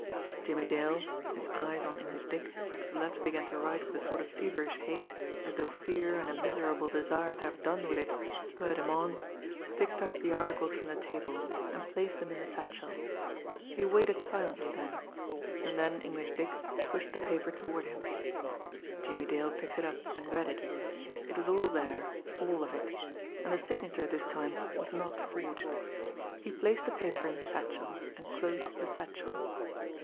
Jimmie Dale, his eyes on English Dick, as the latter began to write with a sort of feverish haste as though fear and a miserable desire to have done with it spurred him on, picked up the articles from the table, and placed them in the satchel. He waited silently then and then English Dick pushed the paper toward him. Jimmie Dale picked it up, and read it. It was all there, all of it and the signature this time was not forged! He placed the paper in the satchel, and closed the satchel.